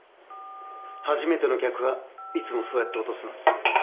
初めての客はいつもそうやって落とすのに。